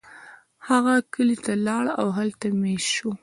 هغه کلی ته لاړ او هلته میشت شو.